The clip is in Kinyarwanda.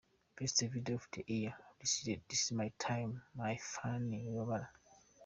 Best Video of the year: This is my time by Phanny Wibabara.